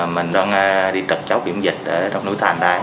mình đang đi trật chốt kiểm dịch ở trong núi thành đây